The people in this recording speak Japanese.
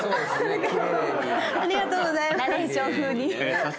ありがとうございます。